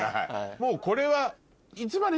もうこれは。